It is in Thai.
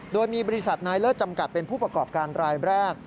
โดยมีบริษัทนายเลิศจำกัดเป็นผู้ประกอบการรายแรก